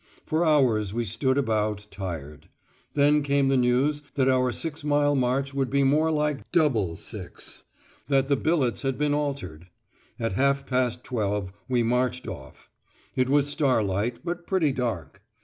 For hours we stood about, tired. Then came the news that our six mile march would be more like double six; that the billets had been altered!... At half past twelve we marched off. It was starlight, but pretty dark.